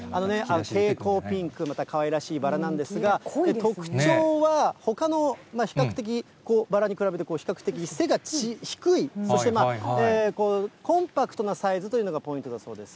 蛍光ピンク、またかわいらしいバラなんですが、特徴はほかの比較的、バラに比べて、比較的背が低い、そしてコンパクトなサイズというのがポイントだそうです。